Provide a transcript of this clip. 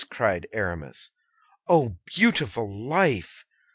cried Aramis. "Oh, beautiful life!